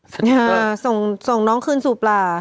สนิทเตอร์ส่งน้องคืนสู่ป่า